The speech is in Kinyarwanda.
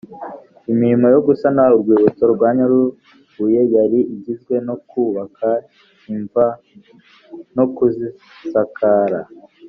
imirimo yo gusana urwibutso rwa nyarubuye yari igizwe no kubaka imva, no kuzisakara